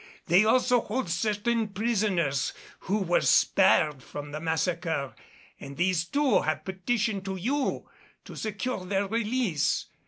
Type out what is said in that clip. They also hold certain prisoners who were spared from the massacre, and these too have petitioned you to secure their release.